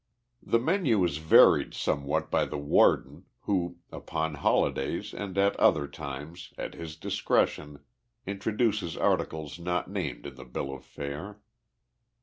The menu is varied somewhat by the Warden, who, upon holidays and at other times, at his discretion, introduces ariticles not named in the bill of fare.